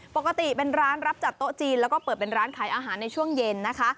ปกติเป็นร้านรับจัดโต๊ะจีนแล้วก็เปิดเป็นร้านขายอาหารในช่วงเย็นนะคะ